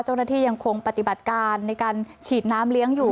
เจ้าหน้าที่ยังคงปฏิบัติการในการฉีดน้ำเลี้ยงอยู่